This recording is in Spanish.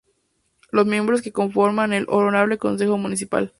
Los miembros que conforman el Honorable Concejo Municipal.